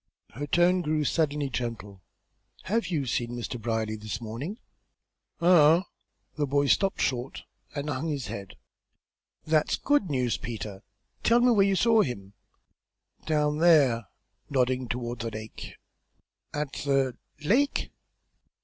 Her tone grew suddenly gentle. "Have you seen Mr. Brierly this morning?" "Uh hum!" The boy stopped short and hung his head. "That's good news, Peter. Tell me where you saw him." "Down there," nodding toward the lake. "At the lake?"